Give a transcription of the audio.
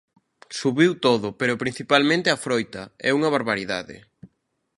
Subiu todo, pero principalmente a froita é unha barbaridade.